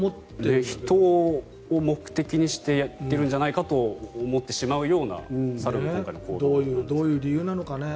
人を目的にしてやっているんじゃないかと思ってしないようなどういう理由なのかね。